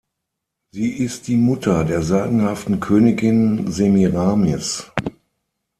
Sie ist die Mutter der sagenhaften Königin Semiramis.